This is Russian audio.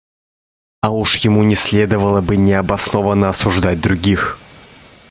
А уж ему не следовало бы необоснованно осуждать других.